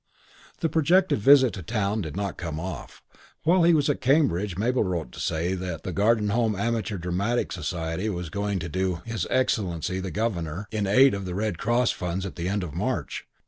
The projected visit to town did not come off. While he was at Cambridge Mabel wrote to say that the Garden Home Amateur Dramatic Society was going to do "His Excellency The Governor" in aid of the Red Cross funds at the end of March.